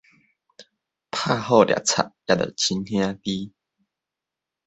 拍虎掠賊也著親兄弟